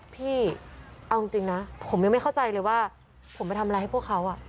พี่เอาจริงนะผมยังไม่เข้าใจเลยว่าผมไปทำอะไรให้พวกเขา